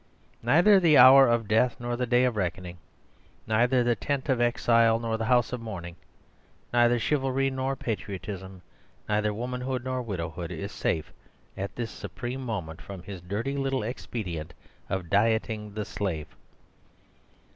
Neither the hour of death nor the day of reckoning, neither the tent of exile nor the house of mourning, neither chivalry nor patriotism, neither womanhood nor widowhood, is safe at this supreme moment from his dirty little expedient of dieting the slave.